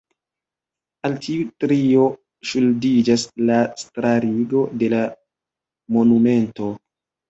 Al tiu trio ŝuldiĝas la starigo de la monumento.